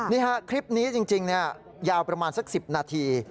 นี่ฮะคลิปนี้จริงยาวประมาณสัก๑๐นาที